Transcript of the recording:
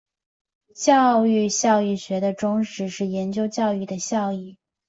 教育效益学的宗旨是研究教育的效益。